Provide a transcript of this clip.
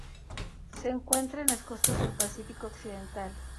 Se encuentra en las costas del Pacífico occidental.